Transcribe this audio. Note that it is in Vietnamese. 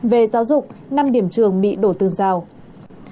về giáo dục năm điểm trường bị đổ tương giao